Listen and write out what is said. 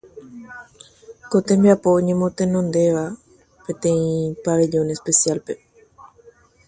Esta actividad se llevaba a cabo a un pabellón especial.